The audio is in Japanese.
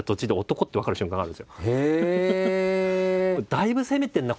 だいぶ攻めてるな